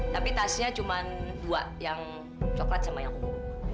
tapi tasnya cuma dua yang coklat sama yang ungu